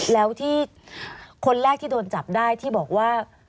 แล้วที่คนแรกที่โดนจับได้ที่บอกว่า